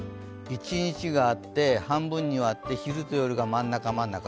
一日があって、半分に割って昼と夜が真ん中、真ん中？